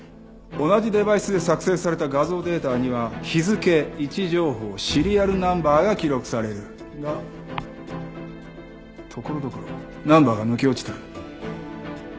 同じデバイスで作成された画像データには日付位置情報シリアルナンバーが記録される。がところどころナンバーが抜け落ちてる。